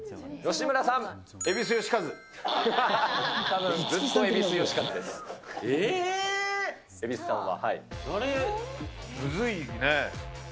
むずいね。